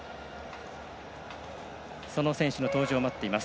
その選手の登場を待っています。